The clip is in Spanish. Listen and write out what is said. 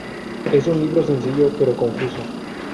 Es un libro sencillo, pero confuso.